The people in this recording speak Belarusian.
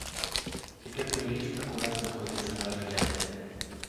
І цяпер той ліст акурат знаходзіцца на разглядзе.